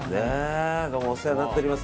どうもお世話になっております。